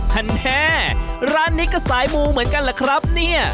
ท่านแท้ร้านนี้ก็สายมูเหมือนกันแหละครับเนี่ย